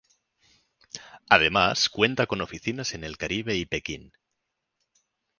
Además cuenta con oficinas en el Caribe y Pekín.